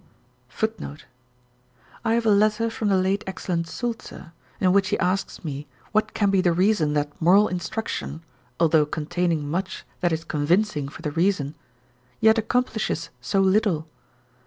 * I have a letter from the late excellent Sulzer, in which he asks me what can be the reason that moral instruction, although containing much that is convincing for the reason, yet accomplishes so little?